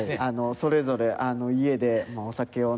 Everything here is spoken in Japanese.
それぞれ家でお酒を飲んで。